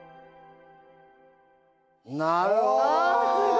なるほど！